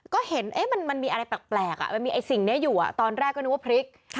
ก็เห็นมันมีอะไรแปลกมันมีไอ้สิ่งนี้อยู่ตอนแรกก็นึกว่าพริก